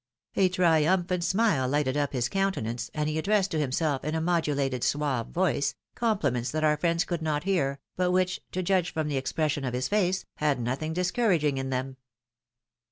A triumphant smile lighted up his countenance, and he addressed to himself, in a modulated, suave voice, compli ments that our friends could not hear, but which, to judge from the expression of his face, had nothing discouraging in them.